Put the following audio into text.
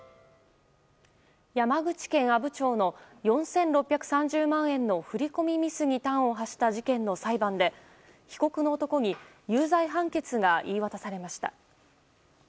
山口県阿武町の４６３０万円の振り込みミスに端を発した事件の裁判で被告の男に有罪判決が言い渡されました。